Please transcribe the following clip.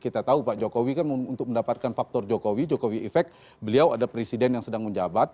kita tahu pak jokowi kan untuk mendapatkan faktor jokowi jokowi effect beliau ada presiden yang sedang menjabat